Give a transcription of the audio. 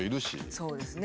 そうですね。